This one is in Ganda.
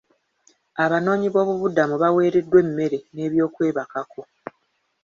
Abanoonyiboobubudamu baweereddwa emmere n'ebyokwebwako.